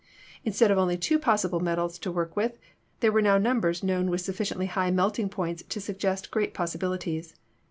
Instead of only two possible metals to work with, there were now numbers known with sufficiently high melting points to suggest great possibili ties.